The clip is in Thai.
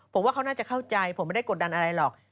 ผมว่าเขาน่าจะเข้าใจผมไม่ได้กดดันอะไรหรอก